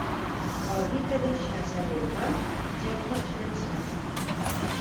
El vi que deixa Sant Urbà ja el pots llençar.